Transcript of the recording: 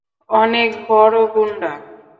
অনেক বড় গুন্ডা।